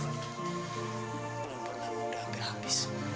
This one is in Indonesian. sampai jumpa lagi